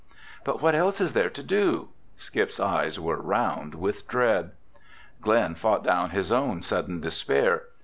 "But what else is there to do?" Skip's eyes were round with dread. Glen fought down his own sudden despair.